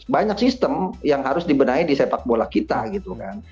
banyak sistem yang harus dibenahi di sepak bola kita gitu kan